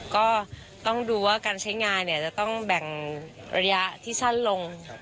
ก็ต้องดูว่าการใช้งานเนี่ยจะต้องแบ่งระยะที่สั้นลง